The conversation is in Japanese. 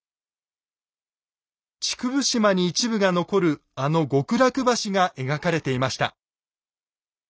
竹生島に一部が残るあの極楽橋が描かれていました。